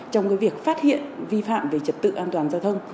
trong việc phát hiện vi phạm về trật tự an toàn giao thông